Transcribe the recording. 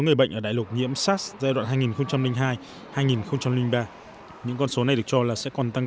người bệnh ở đại lục nhiễm sars giai đoạn hai nghìn hai hai nghìn ba những con số này được cho là sẽ còn tăng